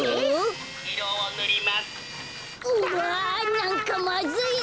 なんかまずいぞ！